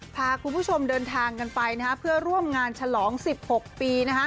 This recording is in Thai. พาคุณผู้ชมเดินทางกันไปเพื่อร่วมงานฉลอง๑๖ปี